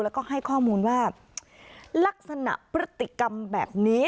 แล้วก็ให้ข้อมูลว่าลักษณะพฤติกรรมแบบนี้